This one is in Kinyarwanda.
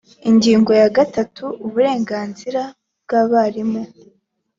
ingingo ya gatatu uburenganzira bw abarimu